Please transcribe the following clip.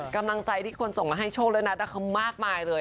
กำลังใจที่คนส่งมาให้โชคและนัทมากมายเลย